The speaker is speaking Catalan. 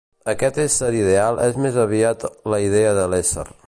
Aquest ésser ideal és més aviat la idea de l'ésser.